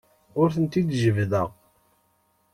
Ur tent-id-jebbdeɣ.